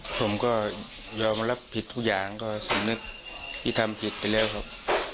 ผมก็ยอมรับผิดทุกอย่างก็สำนึกที่ทำผิดไปแล้วครับ